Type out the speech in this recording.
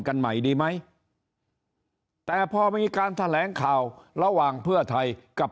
กันใหม่ดีไหมแต่พอมีการแถลงข่าวระหว่างเพื่อไทยกับ